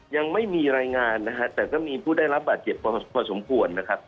ยังไม่มีรายงานแต่ก็มีผู้ได้รับบาดเก็บพอสมควร